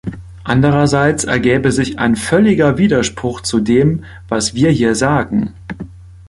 Andererseits ergäbe sich ein völliger Widerspruch zu dem, was wir hier sagen.